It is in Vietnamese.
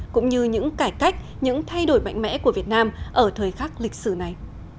cũng như những cải cách những thay đổi mạnh mẽ của việt nam ở thời khắc lịch sử này